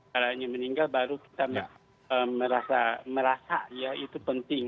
karena yang meninggal baru kita merasa itu penting